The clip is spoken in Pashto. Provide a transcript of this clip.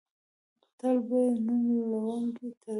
تل به یې نوې لونګۍ تړلې.